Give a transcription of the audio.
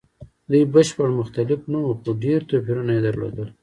دوی بشپړ مختلف نه وو؛ خو ډېر توپیرونه یې درلودل.